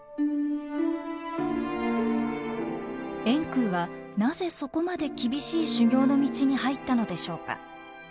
円空はなぜそこまで厳しい修行の道に入ったのでしょうか。